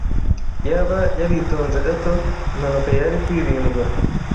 Iyaba yaritonze gato, impanuka yari kwirindwa.